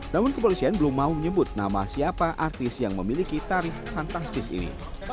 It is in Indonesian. namun kepolisian belum mau menyebut nama siapa artis yang memiliki tarif fantastis ini